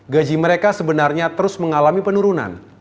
gaji mereka sebenarnya terus mengalami penurunan